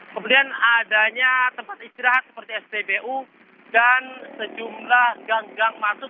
kemudian adanya tempat istirahat seperti spbu dan sejumlah ganggang masuk